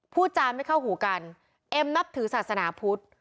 พูดจาไม่เข้าหูกันเอ็มนับถือศาสนาพุทธ